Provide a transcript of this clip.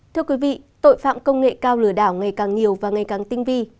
thưa quý vị tội phạm công nghệ cao lừa đảo ngày càng nhiều và ngày càng tinh vi